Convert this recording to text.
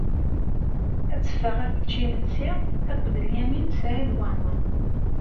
Ad teffeɣ ad tečč imensi akked Lyamin n Saɛid Waɛmeṛ.